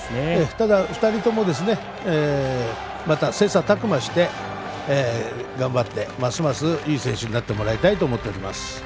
２人とも切さたく磨して頑張ってますますいい選手になってもらいたいと思います。